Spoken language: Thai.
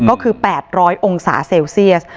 ก็คือ๘๐๐องศาเซลเซียส